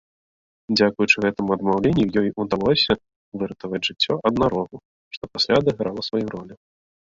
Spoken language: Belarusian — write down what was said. Дзякуючы гэтаму адмаўленню ёй удалося выратаваць жыццё аднарогу, што пасля адыграла сваю ролю.